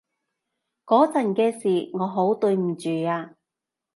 嗰陣嘅事，我好對唔住啊